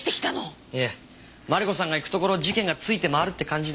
いえマリコさんが行くところ事件が付いて回るって感じで。